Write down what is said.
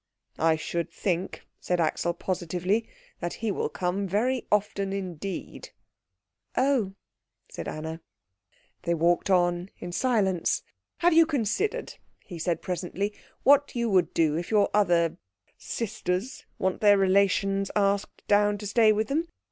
"I should think," said Axel positively, "that he will come very often indeed." "Oh!" said Anna. They walked on in silence. "Have you considered," he said presently, "what you would do if your other sisters want their relations asked down to stay with them?